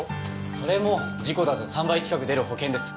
それも事故だと３倍近く出る保険です。